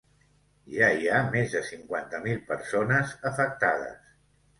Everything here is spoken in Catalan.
Ja hi ha més de cinquanta mil persones afectades.